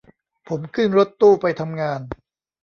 ผมขึ้นรถตู้ไปทำงาน